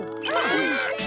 あ！